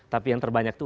tapi yang terbanyak itu